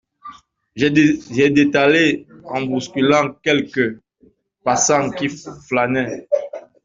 J’ai détalé en bousculant quelques passants qui flânaient.